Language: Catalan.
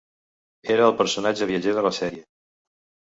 Era el personatge viatger de la sèrie.